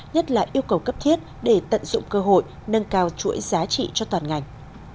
nhất là yêu cầu cấp thiết để tận dụng cơ hội nâng cao chuỗi giá trị cho toàn ngành